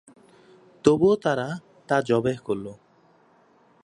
তবুও তারা তা যবেহ্ করল।